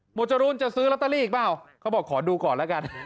จรูนจะซื้อลอตเตอรี่อีกเปล่าเขาบอกขอดูก่อนแล้วกัน